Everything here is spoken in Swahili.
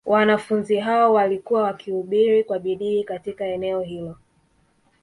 Wanafunzi hao walikuwa wakihubiri kwa bidii katika eneo hilo